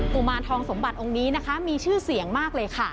ุมารทองสมบัติองค์นี้นะคะมีชื่อเสียงมากเลยค่ะ